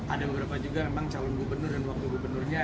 ada beberapa juga memang calon gubernur dan wakil gubernurnya